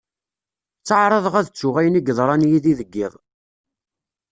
Tteɛraḍeɣ ad ttuɣ ayen i yeḍran yid-i deg yiḍ.